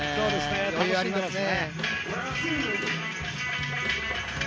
余裕ありますね。